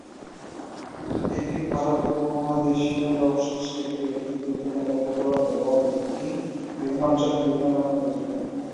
এটি ভারত উপমহাদেশীয় লোকসংস্কৃতির একটি গুরুত্বপূর্ণ উপকরণ এবং এটি বিভিন্ন অঞ্চলে বিভিন্ন নামে পরিচিত।